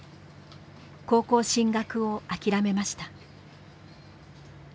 高校進学を諦めました。